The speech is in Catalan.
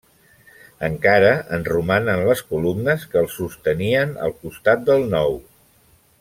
Encara en romanen les columnes que el sostenien al costat del nou.